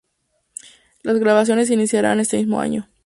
Las grabaciones iniciarán este mismo año.